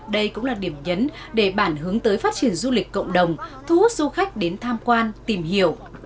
đây cũng là điểm nhấn để bản hướng tới phát triển du lịch cộng đồng thu hút du khách đến tham quan tìm hiểu